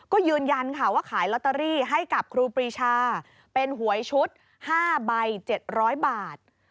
ก็ยืนยันค่ะว่าขายลอตเตอรี่ให้กับครูปรีชาเป็นหวยชุด๕ใบ๗๐๐บาท